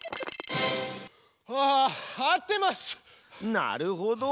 なるほど！